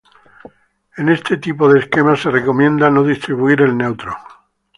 En este tipo de esquema se recomienda no distribuir el neutro.